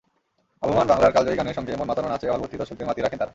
আবহমান বাংলার কালজয়ী গানের সঙ্গে মনমাতানো নাচে হলভর্তি দর্শকদের মাতিয়ে রাখেন তারা।